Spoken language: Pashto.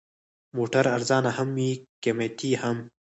موټر ارزانه هم وي، قیمتي هم.